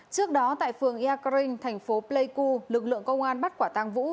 trước đó tại phường eakering thành phố pleiku lực lượng công an bắt quả tang vũ